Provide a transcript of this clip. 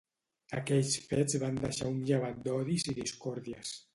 Aquells fets van deixar un llevat d'odis i discòrdies.